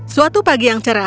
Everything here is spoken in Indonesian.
suatu pagi yang cerah